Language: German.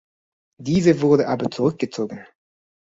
Diese wurde aber zurückgezogen.